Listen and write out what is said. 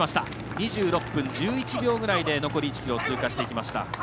２６分１１秒ぐらいで通過していきました。